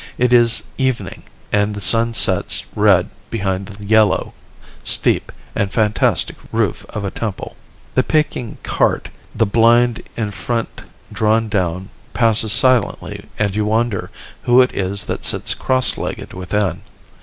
It is evening and the sun sets red behind the yellow, steep, and fantastic roof of a temple. The Peking cart, the blind in front drawn down, passes silently and you wonder who it is that sits cross legged within.